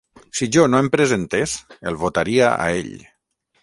Si jo no em presentés, el votaria a ell.